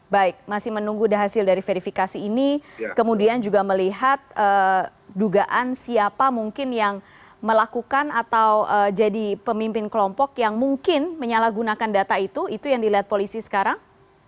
baik masih menunggu hasil dari verifikasi ini kemudian juga melihat dugaan siapa mungkin yang melakukan atau jadi pemimpin kelompok yang mungkin menyalahgunakan data itu itu yang dilihat polisi sekarang